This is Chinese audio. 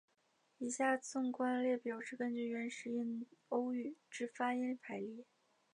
以下纵观列表是根据原始印欧语之发音排列。